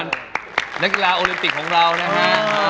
นักกีฬาโอลิมปิกของเรานะฮะ